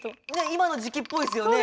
今の時期っぽいですよね。